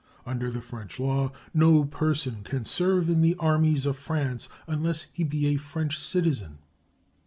Under the French law no person can serve in the armies of France unless he be a French citizen.